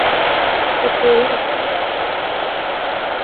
Siku izi batu bananza wina juya madawa